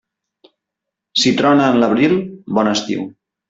Si trona en l'abril, bon estiu.